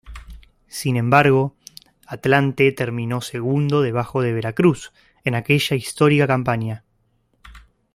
Sin embargo, Atlante terminó segundo debajo de Veracruz en aquella histórica campaña.